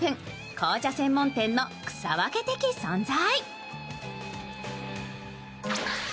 紅茶専門店の草分け的存在。